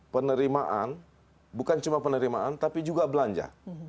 penerimaan bukan cuma penerimaan tapi juga belanja